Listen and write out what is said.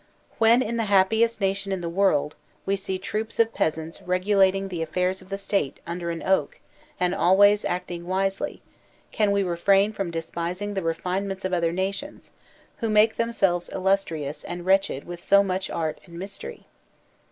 When, in the happiest nation in the world, we see troops of peasants regulating the affairs of the State under an oak and always acting wisely, can we refrain from despising the refinements of other nations, who make themselves illustrious and wretched with so much art and mystery?